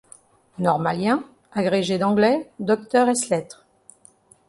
Normalien, agrégé d'anglais, docteur ès lettres.